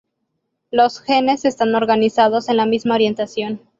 Los genes están organizados en la misma orientación.